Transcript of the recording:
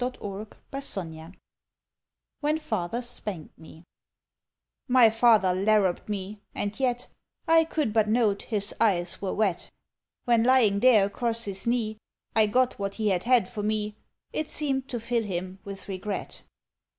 It was called WHEN FATHER SPANKED ME My Father larruped me, and yet I could but note his eyes were wet, When lying there across his knee I got what he had had for me It seemed to fill him with regret.